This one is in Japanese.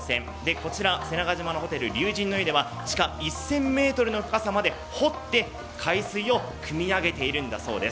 こちら、瀬長島のホテル、龍神の湯では地下１０００ｍまで掘って海水をくみ上げているんだそうです。